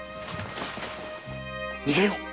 逃げよう！